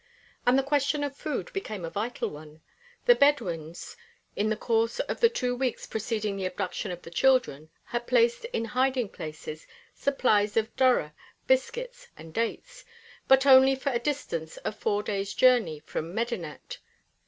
And the question of food became a vital one. The Bedouins in the course of the two weeks preceding the abduction of the children had placed in hiding places, supplies of durra, biscuits, and dates, but only for a distance of four days' journey from Medinet.